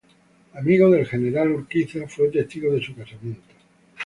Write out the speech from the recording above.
Amigo del general Urquiza, fue testigo de su casamiento.